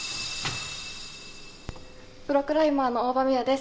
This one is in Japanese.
プロクライマーの大場美和です。